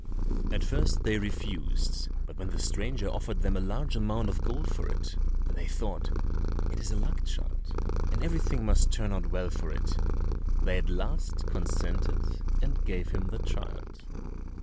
At first they refused, but when the stranger offered them a large amount of gold for it, and they thought, "It is a luck child, and everything must turn out well for it," they at last consented, and gave him the child.